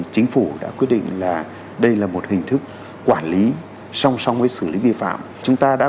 chính phủ đã quyết định là đây là một hình thức quản lý song song với xử lý vi phạm chúng ta đã